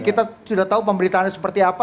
kita sudah tahu pemberitaannya seperti apa